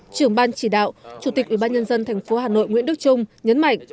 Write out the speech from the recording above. trưởng ban chỉ đạo chủ tịch ubnd tp hà nội nguyễn đức trung nhấn mạnh